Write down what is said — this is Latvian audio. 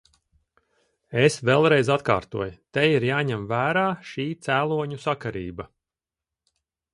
Es vēlreiz atkārtoju: te ir jāņem vērā šī cēloņu sakarība.